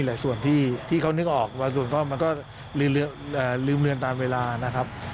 ลักษณะของคำให้การเนี่ยครับ